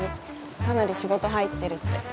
かなり仕事入ってるって。